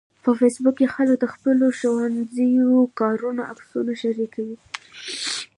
په فېسبوک کې خلک د خپلو ښوونیزو کارونو عکسونه شریکوي